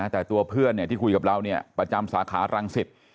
แต่ตัวเพื่อนที่คุยกับเราประจำสาขารังสิต